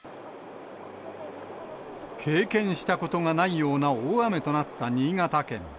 経験したことがないような大雨となった新潟県。